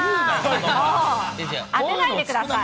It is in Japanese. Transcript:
もう、当てないでください。